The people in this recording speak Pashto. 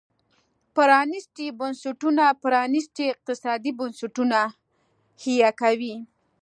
پرانيستي بنسټونه پرانيستي اقتصادي بنسټونه حیه کوي.